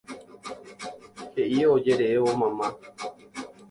He'i ojerévo mamá.